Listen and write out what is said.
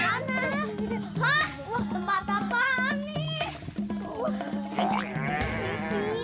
oh tidak tidak